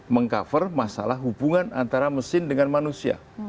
meng cover masalah hubungan antara mesin dengan manusia